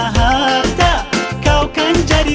harta kau kan jadi